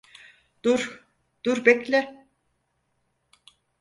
Dur, dur, bekle.